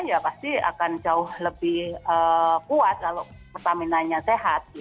ya pasti akan jauh lebih kuat kalau pertaminanya sehat